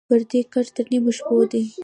پردى کټ تر نيمو شپو دى.